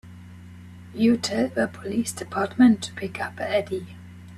You tell the police department to pick up Eddie.